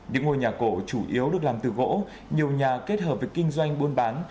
những ngôi nhà cổ chủ yếu được làm từ gỗ nhiều nhà kết hợp với kinh doanh buôn bán